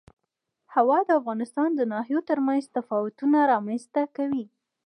هوا د افغانستان د ناحیو ترمنځ تفاوتونه رامنځ ته کوي.